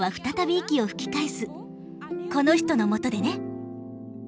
この人のもとでね。